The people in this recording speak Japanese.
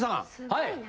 はい！